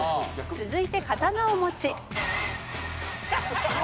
「続いて刀を持ち」